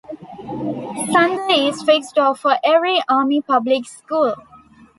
Sunday is fixed off for every Army Public School.